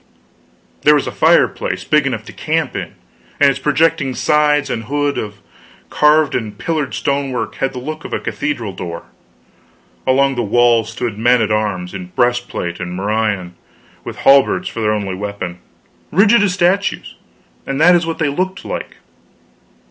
There was a fireplace big enough to camp in; and its projecting sides and hood, of carved and pillared stonework, had the look of a cathedral door. Along the walls stood men at arms, in breastplate and morion, with halberds for their only weapon rigid as statues; and that is what they looked like.